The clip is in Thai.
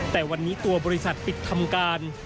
แต่วันนี้ตัวบริษัทปิดทำการ